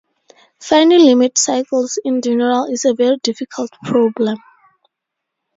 Finding limit cycles in general is a very difficult problem.